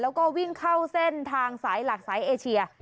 แล้วก็วิ่งเข้าเส้นทางสายหลักสายเอเชีย